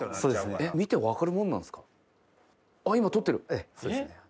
ええそうですね。